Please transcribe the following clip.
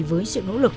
với sự nỗ lực